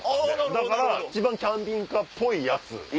だから一番キャンピングカーっぽいやつ。